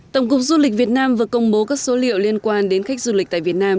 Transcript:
tổng cục du lịch việt nam vừa công bố các số liệu liên quan đến khách du lịch tại việt nam